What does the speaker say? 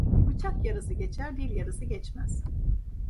Bıçak yarası geçer, dil yarası geçmez.